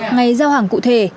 ngày giao hàng cụ thể